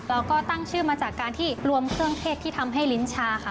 เราก็ตั้งชื่อมาจากการที่รวมเครื่องเทศที่ทำให้ลิ้นชาค่ะ